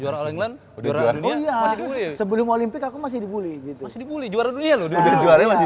jualan jualan sebelum olimpik aku masih dibully gitu masih dibully juara dunia udah juara masih